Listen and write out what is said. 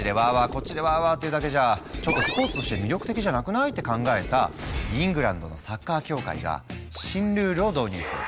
こっちでわわっていうだけじゃ「ちょっとスポーツとして魅力的じゃなくない？」って考えたイングランドのサッカー協会が新ルールを導入する。